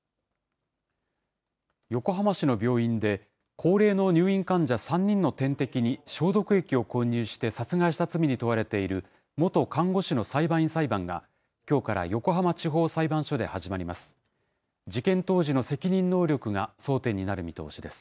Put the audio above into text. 横浜市の病院で、高齢の入院患者３人の点滴に消毒液を混入して殺害した罪に問われている元看護師の裁判員裁判が、きょうから横浜地方裁判所で始まります。